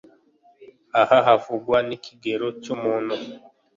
Aha havugwa nk’ikigero cy’umuntu